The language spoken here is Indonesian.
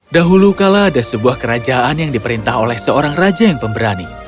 dahulu kala ada sebuah kerajaan yang diperintah oleh seorang raja yang pemberani